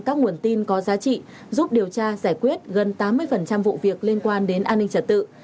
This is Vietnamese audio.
các nguồn tin có giá trị giúp điều tra giải quyết gần tám mươi vụ việc liên quan đến an ninh trật tự